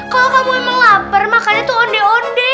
kalo kamu emang lapar makannya tuh ondeh ondeh